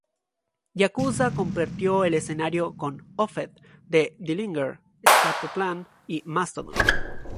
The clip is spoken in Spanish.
Yakuza compartió escenario con Opeth, The Dillinger Escape Plan y Mastodon.